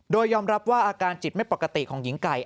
โดยยอมรับว่าอาการจิตไม่ปกติของหญิงไก่